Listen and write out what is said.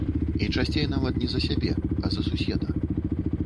І часцей нават не за сябе, а за суседа.